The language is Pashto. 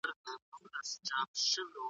د الله حق به غوښتل کېږي.